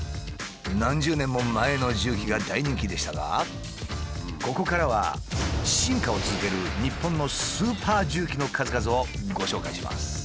何十年も前の重機が大人気でしたがここからは進化を続けるの数々をご紹介します。